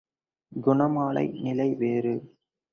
குணமாலை நிலை வேறு.